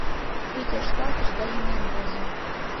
Пий тӧршталтыш да йымен возо.